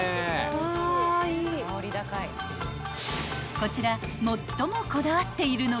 ［こちら］